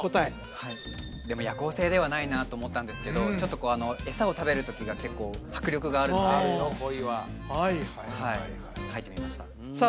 はいでも夜行性ではないなと思ったんですけどちょっと餌を食べるときが結構迫力があるのではい書いてみましたさあ